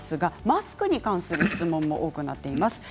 マスクに関する質問が多くなっています。